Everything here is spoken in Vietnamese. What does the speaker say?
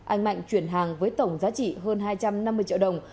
anh mạnh chuyển hàng với tổng giá trị hơn hai trăm năm mươi triệu đồng